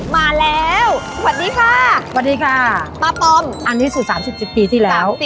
มาแล้วสวัสดีค่ะสวัสดีค่ะป้าปอมอันนี้สูตร๓๐ปีที่แล้ว